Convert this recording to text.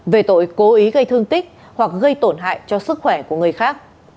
về tội cố ý gây thương tích hoặc gây tổn hại cho sức khỏe của người khác